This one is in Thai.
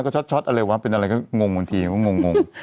ก็ช็อตอะไรวะเป็นอะไรก็งงบางทีก็งง